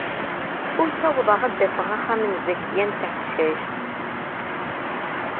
Ur ssawḍeɣ ad d-afeɣ axxam n Zakiya n Tɛeccact.